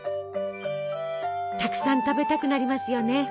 たくさん食べたくなりますよね。